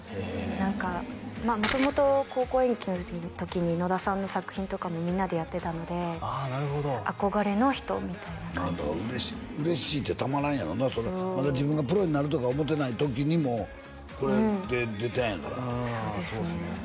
何かまあ元々高校演劇の時に野田さんの作品とかもみんなでやってたのでああなるほど憧れの人みたいな感じです嬉しいてたまらんやろなそれまだ自分がプロになるとか思ってない時にもうこれで出たんやからそうですね